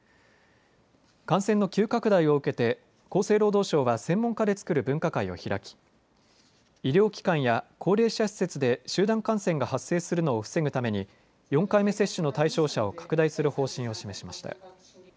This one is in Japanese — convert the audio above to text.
感染の急拡大を受けて厚生労働省は専門家でつくる分科会を開き医療機関や高齢者施設で集団感染が発生するのを防ぐために４回目接種の対象者を拡大する方針を示しました。